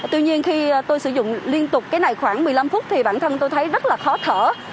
tuy nhiên khi tôi sử dụng liên tục cái này khoảng một mươi năm phút thì bản thân tôi thấy rất là khó thở